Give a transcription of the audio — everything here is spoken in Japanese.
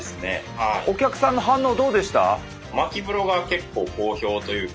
お客さんの反応どうでした？